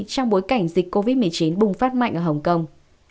trong bối cảnh dịch covid một mươi chín bùng phát mạnh ở hồng kông